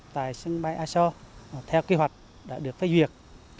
tại sân bay aso theo kế hoạch đã được phê duyệt